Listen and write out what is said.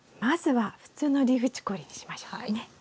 まずは普通のリーフチコリーにしましょうかね。